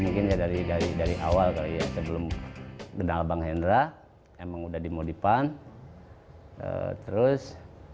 mungkin dari dari dari awal kali ya sebelum kenal bang hendra emang udah dimodifan terus